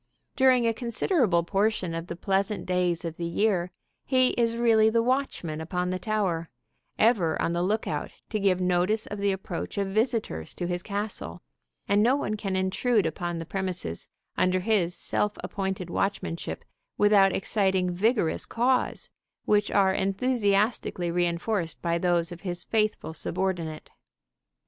During a considerable portion of the pleasant days of the year he is really the watchman upon the tower, ever on the lookout to give notice of the approach of visitors to his castle, and no one can intrude upon the premises under his self appointed watchmanship without exciting vigorous caws, which are enthusiastically reinforced by those of his faithful subordinate.